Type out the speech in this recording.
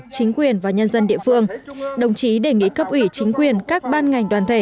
chính quyền và nhân dân địa phương đồng chí đề nghị cấp ủy chính quyền các ban ngành đoàn thể